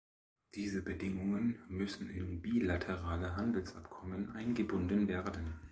Diese Bedingungen müssen in bilaterale Handelsabkommen eingebunden werden.